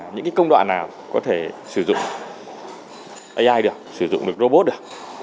những công đoạn nào có thể sử dụng ai được sử dụng được robot được